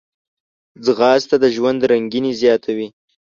ځغاسته د ژوند رنګیني زیاتوي